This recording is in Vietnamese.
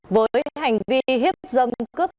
với hành vi hiếp dâm cướp